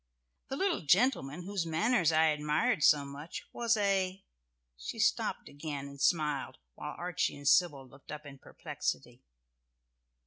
The little 'gentleman' whose manners I admired so much was a " She stopped again and smiled, while Archie and Sybil looked up in perplexity.